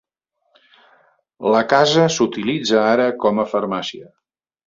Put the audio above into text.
La casa s'utilitza ara com a farmàcia.